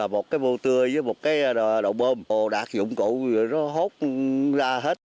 một cái bộ tươi với một cái đồ bơm đạt dụng cụ nó hốt ra hết